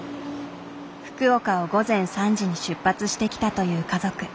福岡を午前３時に出発してきたという家族。